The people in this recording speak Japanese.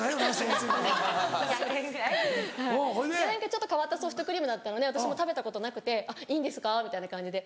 ちょっと変わったソフトクリームだったので私も食べたことなくて「いいんですか？」みたいな感じで。